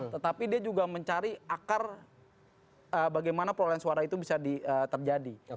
tetapi dia juga mencari akar bagaimana perolehan suara itu bisa terjadi